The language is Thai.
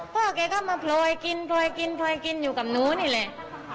พ่อเคยก็มาโผลยกินโผลยกินโผลยกินอยู่กับหนูนี่แหละ